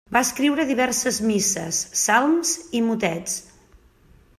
Va escriure diverses misses, salms i motets.